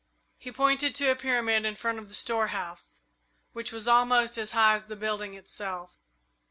He pointed to a pyramid in front of the storehouse, which was almost as high as the building itself.